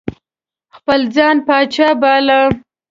خپل ځان پاچا باله.